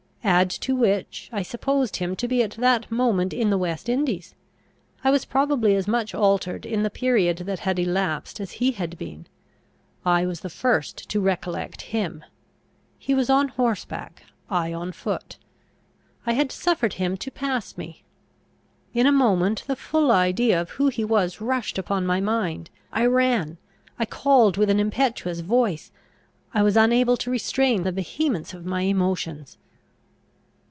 Add to which, I supposed him to be at that moment in the West Indies. I was probably as much altered in the period that had elapsed as he had been. I was the first to recollect him. He was on horseback; I on foot. I had suffered him to pass me. In a moment the full idea of who he was rushed upon my mind; I ran; I called with an impetuous voice; I was unable to restrain the vehemence of my emotions.